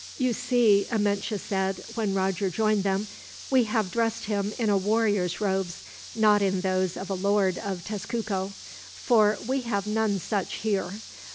"You see," Amenche said, when Roger joined them; "we have dressed him in a warrior's robes, not in those of a Lord of Tezcuco; for we have none such here.